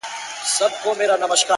جرس فرهاد زما نژدې ملگرى ـ